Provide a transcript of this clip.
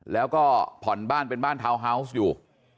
แล้วก็ผ่อนบ้านเป็นบ้านทาวน์ฮาวส์อยู่